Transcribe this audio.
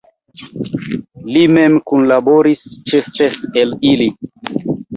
Li mem kunlaboris ĉe ses el ili.